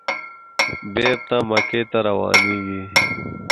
بېرته مکې ته روانېږي.